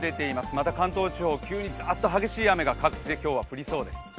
また関東地方、急にザーッと激しい雨が各地で降りそうです。